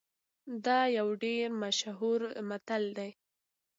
دا یو ډیر مشهور متل دی